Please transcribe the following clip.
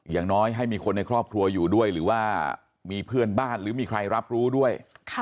อย่างน้อยให้มีคนในครอบครัวอยู่ด้วยหรือว่ามีเพื่อนบ้านหรือมีใครรับรู้ด้วย